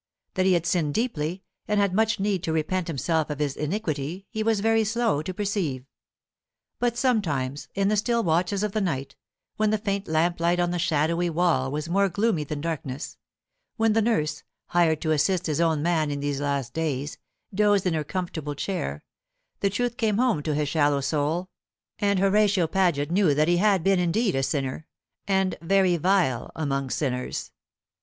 That he had sinned deeply, and had much need to repent himself of his iniquity, he was very slow to perceive. But sometimes, in the still watches of the night, when the faint lamplight on the shadowy wall was more gloomy than darkness, when the nurse, hired to assist his own man in these last days, dozed in her comfortable chair, the truth came home to his shallow soul, and Horatio Paget knew that he had been indeed a sinner, and very vile among sinners.